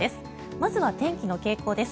まずは天気の傾向です。